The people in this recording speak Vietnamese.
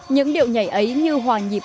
những điệu nhảy ấy như hòa nhịp